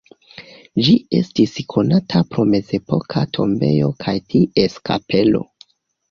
Ĝi estis konata pro mezepoka tombejo kaj ties kapelo.